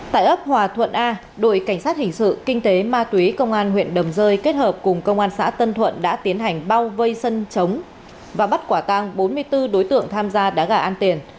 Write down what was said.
tại ấp hòa thuận a đội cảnh sát hình sự kinh tế ma túy công an huyện đầm rơi kết hợp cùng công an xã tân thuận đã tiến hành bao vây sân trống và bắt quả tăng bốn mươi bốn đối tượng tham gia đá gà an tiền